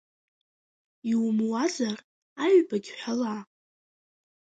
Иумуазар, аҩбагь ҳәала!